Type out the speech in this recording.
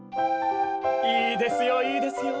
いいですよいいですよ。